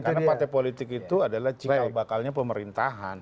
karena partai politik itu adalah cikal bakalnya pemerintahan